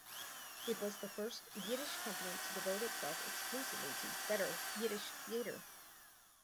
It was the first Yiddish company to devote itself exclusively to "better" Yiddish theater.